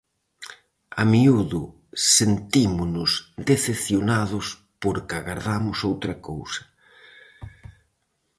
A miúdo sentímonos decepcionados porque agardamos outra cousa.